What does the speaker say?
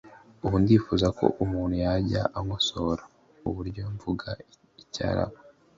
Ubu ndifuza ko umuntu yajya ankosora uburyo mvuga icyarabu